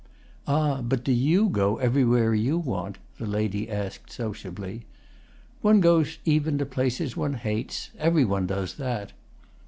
"Ah, but do you go everywhere you want?" the lady asked sociably. "One goes even to places one hates. Every one does that."